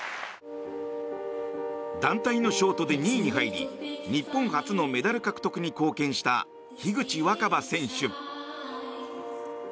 団体のショートで２位に入り日本初のメダル獲得に貢献した樋口新葉選手。